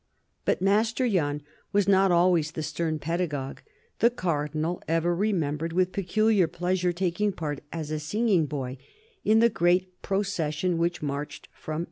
But Master Yon was not always the stern pedagogue. The Cardinal ever remembered with peculiar pleasure taking part, as a singing boy, in the great procession which marched from.